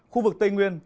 khu vực tây nguyên